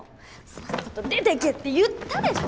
さっさと出てけって言ったでしょ！？